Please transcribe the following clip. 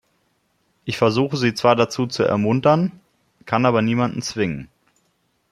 Ich versuche sie zwar dazu zu ermuntern, kann aber niemanden zwingen.